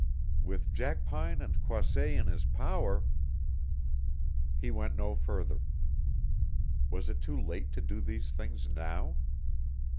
With Jackpine and Croisset in his power He went no further. Was it too late to do these things now?